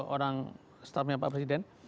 orang staffnya pak presiden